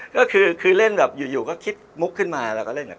ก็คือเล่นแบบอยู่ก็คิดมุกขึ้นมาแล้วก็เล่นแบบ